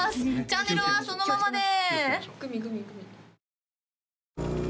チャンネルはそのままで！